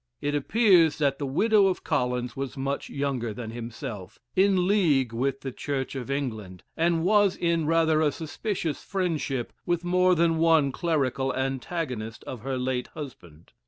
It appears that the widow of Collins was much younger than himself in league with the Church of England; and was in rather a suspicious friendship with more than one clerical antagonist of her late husband.